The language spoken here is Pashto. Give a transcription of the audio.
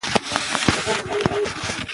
افغانستان له طبیعي زیرمې ډک دی.